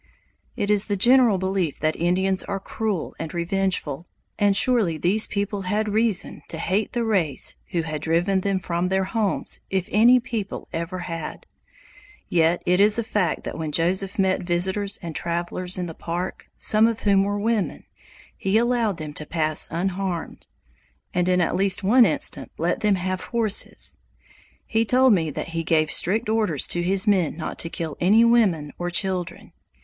It is the general belief that Indians are cruel and revengeful, and surely these people had reason to hate the race who had driven them from their homes if any people ever had. Yet it is a fact that when Joseph met visitors and travelers in the Park, some of whom were women, he allowed them to pass unharmed, and in at least one instance let them have horses. He told me that he gave strict orders to his men not to kill any women or children.